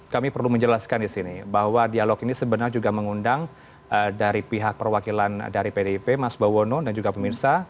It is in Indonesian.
kami perlu menjelaskan di sini bahwa dialog ini sebenarnya juga mengundang dari pihak perwakilan dari pdip mas bawono dan juga pemirsa